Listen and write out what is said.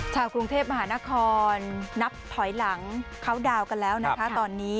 ชาวกรุงเทพมหานครนับถอยหลังเข้าดาวนกันแล้วนะคะตอนนี้